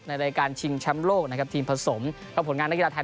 ในรายการชิงแชมป์โลกนะครับทีมผสมกับผลงานนักกีฬาไทย